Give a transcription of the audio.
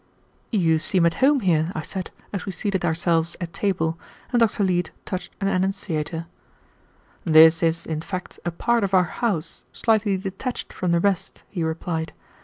"You seem at home here," I said, as we seated ourselves at table, and Dr. Leete touched an annunciator. "This is, in fact, a part of our house, slightly detached from the rest," he replied.